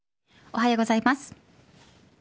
おはようございます。